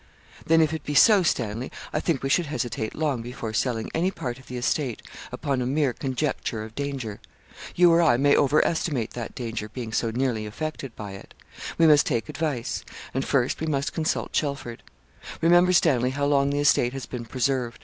'Then, if it be so, Stanley, I think we should hesitate long before selling any part of the estate, upon a mere conjecture of danger. You or I may over estimate that danger, being so nearly affected by it. We must take advice; and first, we must consult Chelford. Remember, Stanley, how long the estate has been preserved.